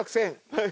はい。